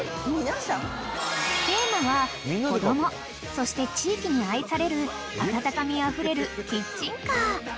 ［そして地域に愛される温かみあふれるキッチンカー］